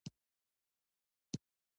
دوی د ځاځیو په امیرخېل کلي کې اوسېدل